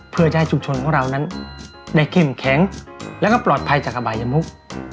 เพื่อจะให้ชุมชนของเรานั้นได้เข้มแข็งแล้วก็ปลอดภัยจากอบายมุก